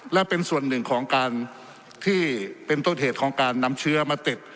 และเป็นส่วนหนึ่งของการที่เป็นต้นเหตุของการนำเชื้อมาติด